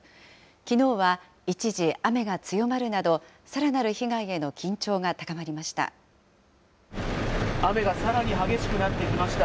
きのうは一時雨が強まるなど、さらなる被害への緊張が高まりまし雨がさらに激しくなってきました。